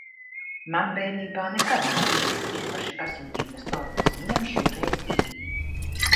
Man bērnībā nekad nav bijis īpaši pasūtītas tortes, viņam šoreiz ir.